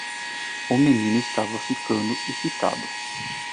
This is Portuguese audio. O menino estava ficando irritado.